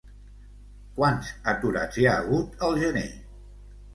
Quants aturats hi ha hagut al gener?